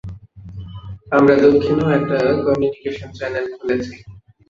আমরা দক্ষিণেও একটি communication channel খুলেছি।